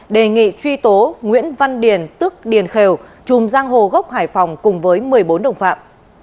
đề nghị truy tố nguyễn văn điền tức điền khèo chùm giang hồ gốc hải phòng cùng với một mươi bốn đồng phạm